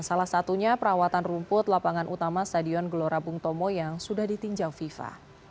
salah satunya perawatan rumput lapangan utama stadion gelora bung tomo yang sudah ditinjau fifa